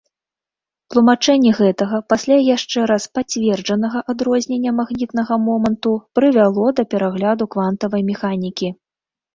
Тлумачэнне гэтага, пасля яшчэ раз пацверджанага, адрознення магнітнага моманту прывяло да перагляду квантавай механікі.